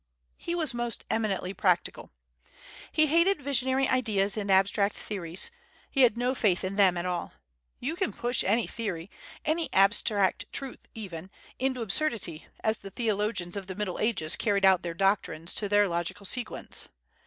He was most eminently practical. He hated visionary ideas and abstract theories; he had no faith in them at all. You can push any theory, any abstract truth even, into absurdity, as the theologians of the Middle Ages carried out their doctrines to their logical sequence.